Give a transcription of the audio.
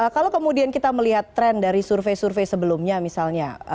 kalau kemudian kita melihat tren dari survei survei sebelumnya misalnya